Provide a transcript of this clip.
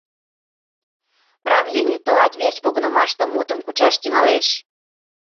Правлений тылат верч погынымаште мутым кучаш тӱҥалеш.